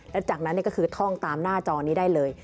แล้วจากนั้นก็คือท่องตามหน้าจอนี้ได้เลย